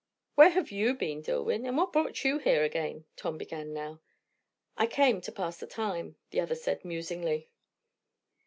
"Where have you been, Dillwyn? and what brought you here again?" Tom began now. "I came to pass the time," the other said musingly.